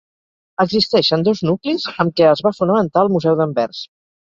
Existeixen dos nuclis amb què es va fonamentar el Museu d'Anvers.